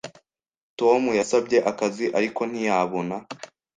Tom yasabye akazi, ariko ntiyabona.